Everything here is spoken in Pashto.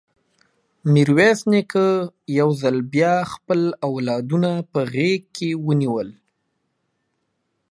ميرويس نيکه يو ځل بيا خپل اولادونه په غېږ کې ونيول.